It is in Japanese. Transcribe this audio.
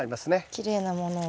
きれいなものを。